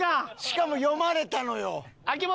しかも読まれたのよ。